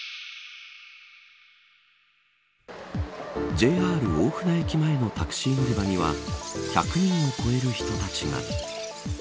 ＪＲ大船駅前のタクシー乗り場には１００人を超える人たちが。